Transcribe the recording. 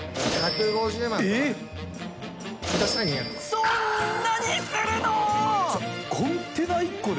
そんなにするの！